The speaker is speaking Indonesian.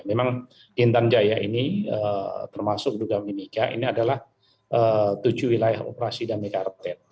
memang intan jaya ini termasuk juga mimika ini adalah tujuh wilayah operasi dami karpet